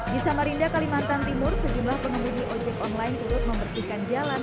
di samarinda kalimantan timur sejumlah pengemudi ojek online turut membersihkan jalan